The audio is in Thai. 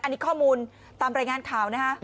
อันนี้ข้อมูลตามรายงานข่าวนะฮะ